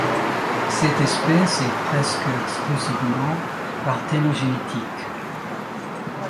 Cette espèce est presque exclusivement parthénogénétique.